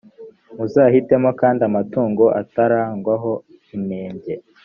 muzahitemo kandi amatungo atarangwaho inenge.